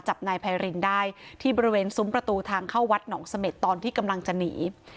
จับนายไพรินได้ที่บริเวณซุ้มประตูทางเข้าวัดหนองเสม็ดตอนที่กำลังจะหนี